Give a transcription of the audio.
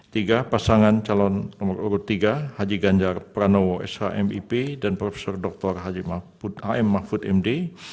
tiga pasangan calon nomor urut tiga haji ganjar pranowo shm ip dan profesor dr haji mahfud dua puluh tujuh empat ratus empat puluh delapan ratus tujuh puluh delapan